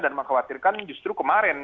dan mengkhawatirkan justru kemarin